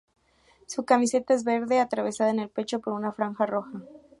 Su camiseta es verde atravesada en el pecho por una franja roja.